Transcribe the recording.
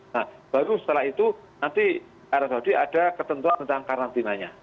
nah baru setelah itu nanti arab saudi ada ketentuan tentang karantinanya